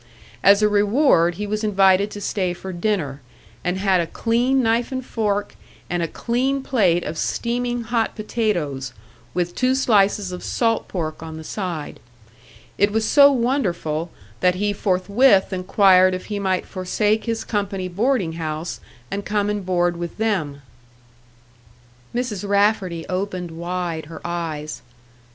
As a reward he was invited to stay for dinner, and had a clean knife and fork, and a clean plate of steaming hot potatoes, with two slices of salt pork on the side. It was so wonderful that he forthwith inquired if he might forsake his company boarding house and come and board with them. Mrs. Rafferty opened wide her eyes.